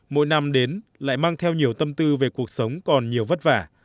mỗi năm đến lại mang theo nhiều tâm tư về cuộc sống còn nhiều vất vả